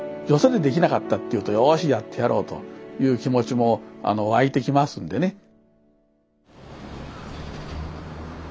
よそでできなかったっていうとよしやってやろうという気持ちもわいてきますんでね。